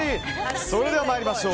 それでは参りましょう。